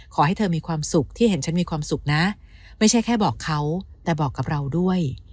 ขอให้เธอมีความสุขที่เห็นฉันมีความสุขนะไม่ใช่แค่บอกเขาแต่บอกกับเราด้วย